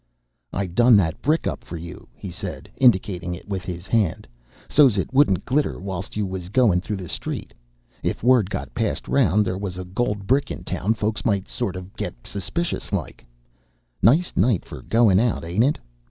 "I done that brick up for you," he said, indicating it with his hand, "so's it wouldn't glitter whilst you was goin' through the street. If word got passed around there was a gold brick in town, folks might sort of get suspicious like. Nice night for goin' out, ain't it?